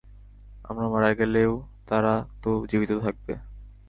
আমরা মারা গেলেও তারা তো জীবিত থাকবে।